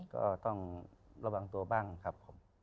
ก็ต้องระวังตัวบ้างครับผม